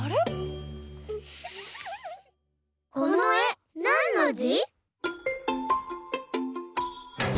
このえなんのじ？